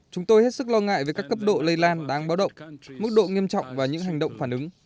chúng tôi hết sức lo ngại về các cấp độ lây lan đáng báo động mức độ nghiêm trọng và những hành động phản ứng